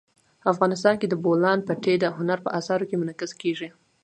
افغانستان کې د بولان پټي د هنر په اثار کې منعکس کېږي.